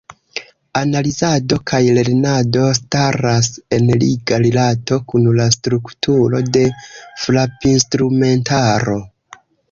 Analizado kaj lernado staras en liga rilato kun la strukturo de frapinstrumentaro.